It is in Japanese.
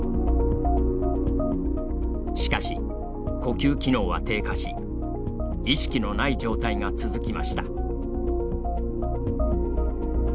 しかし、呼吸機能は低下し意識のない状態が続きました。